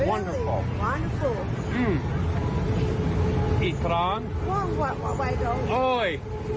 โอ้โหอร่อย